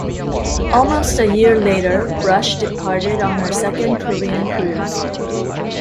Almost a year later "Brush" departed on her second Korean cruise.